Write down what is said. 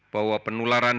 bahwa penularan di luar negara